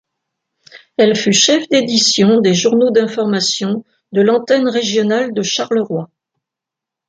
Elle fut chef d'édition des journaux d'information de l'antenne régionale de Charleroi.